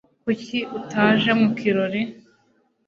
Kuki utaje mu kirori?